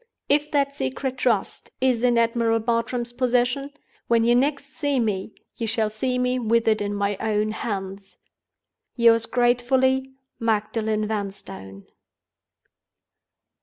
If that Secret Trust is in Admiral Bartram's possession—when you next see me, you shall see me with it in my own hands. "Yours gratefully, "MAGDALEN VANSTONE."